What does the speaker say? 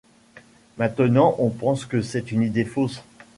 Maintenant on pense que c'est une idée fausse.